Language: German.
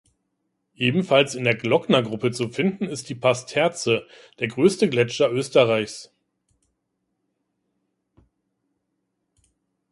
Ebenfalls in der Glocknergruppe zu finden ist die Pasterze, der größte Gletscher Österreichs.